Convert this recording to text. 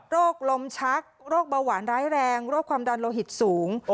โรคลมชักโรคเบาหวานร้ายแรงโรคความดันโลหิตสูง